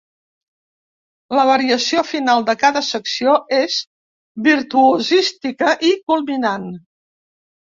La variació final de cada secció és virtuosística i culminant.